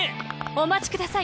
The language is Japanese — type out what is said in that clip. お待ちください